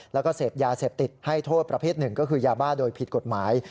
แล้วก็เสพยาเสพติดให้โทษประเภทหนึ่งก็คือยาบ้าโดยผิดกฎหมาย